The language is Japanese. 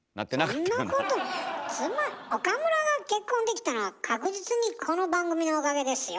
そんなこと岡村が結婚できたのは確実にこの番組のおかげですよ？